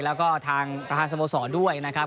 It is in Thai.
แล้วก็ทางประธานสโมสรด้วยนะครับ